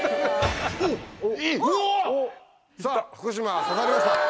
さぁ福島刺さりました。